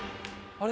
あれ？